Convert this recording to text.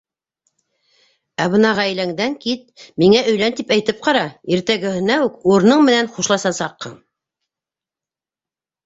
Ә бына ғаиләңдән кит, миңә өйлән, тип әйтеп ҡара - иртәгәһенә үк урының менән хушлашасаҡһың.